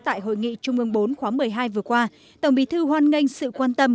tại hội nghị trung ương bốn khóa một mươi hai vừa qua tổng bí thư hoan nghênh sự quan tâm